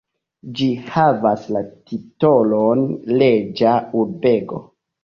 Ĝi havas la titolon reĝa urbego.